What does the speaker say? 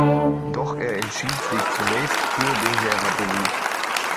Doch er entschied sich zunächst für den Lehrerberuf.